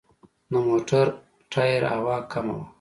د موټر ټایر هوا کمه وه.